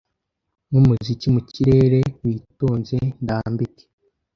nkumuziki mu kirere witonze ndambike